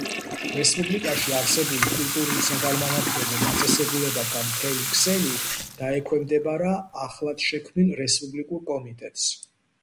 რესპუბლიკაში არსებული კულტურულ-საგანმანათლებლო დაწესებულებათა მთელი ქსელი დაექვემდებარა ახლადშექმნილ რესპუბლიკურ კომიტეტს.